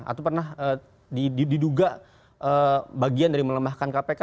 atau pernah diduga bagian dari melemahkan kpk